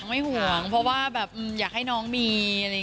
ไม่ห่วงเพราะว่าอยากให้น้องมี